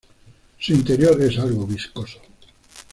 Su interior es algo viscoso.